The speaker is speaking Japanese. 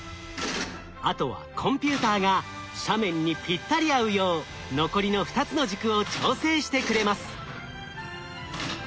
あとはコンピューターが斜面にぴったり合うよう残りの２つの軸を調整してくれます。